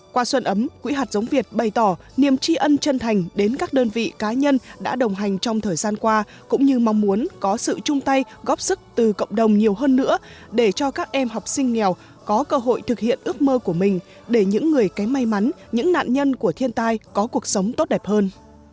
qua xuân ấm quỹ hạt giống việt bày tỏ niềm tri ân chân thành đến các đơn vị cá nhân đã đồng hành trong thời gian qua cũng như mong muốn có sự chung tay góp sức từ cộng đồng nhiều hơn nữa để cho các em học sinh nghèo có cơ hội thực hiện ước mơ của mình để những người kém may mắn những nạn nhân của thiên tai có cuộc sống tốt đẹp hơn